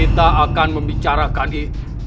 kita akan membicarakan ini